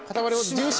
重心！